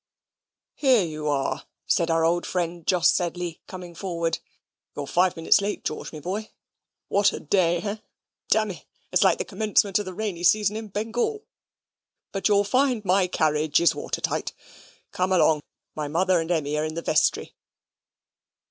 "Here you are," said our old friend, Jos Sedley, coming forward. "You're five minutes late, George, my boy. What a day, eh? Demmy, it's like the commencement of the rainy season in Bengal. But you'll find my carriage is watertight. Come along, my mother and Emmy are in the vestry."